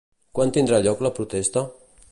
Quan tindrà lloc la protesta?